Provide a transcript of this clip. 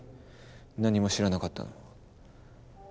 何も知らなかったのは。